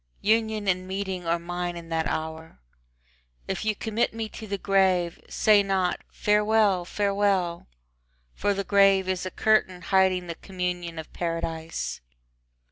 Union and meeting are mine in that hour. If you commit me to the grave, say not "Farewell, farewell!" For the grave is a curtain hiding the communion of Paradise.